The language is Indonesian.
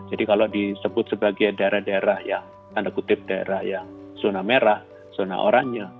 jadi kalau disebut sebagai daerah daerah yang tanda kutip daerah yang zona merah zona oranye